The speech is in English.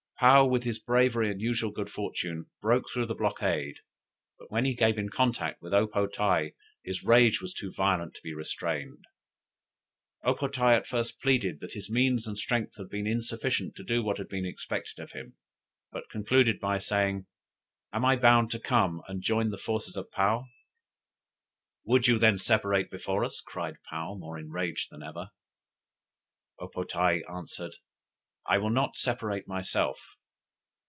Paou, with his bravery and usual good fortune, broke through the blockade, but when he came in contact with O po tae, his rage was too violent to be restrained. O po tae at first pleaded that his means and strength had been insufficient to do what had been expected of him, but concluded by saying, "Am I bound to come and join the forces of Paou?" "Would you then separate from us!" cried Paou, more enraged than ever. O po tae answered: "I will not separate myself."